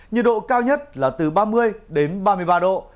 nhiệt độ cao nhất là từ ba mươi đến ba mươi ba độ